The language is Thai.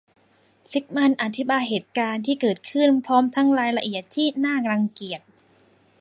ซิกมันด์อธิบายเหตุการณ์ที่เกิดขึ้นพร้อมทั้งรายละเอียดที่น่ารังเกียจ